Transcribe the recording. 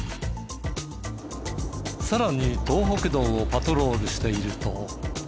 さらに東北道をパトロールしていると。